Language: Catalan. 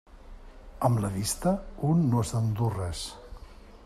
Amb la vista, un no se'n du res.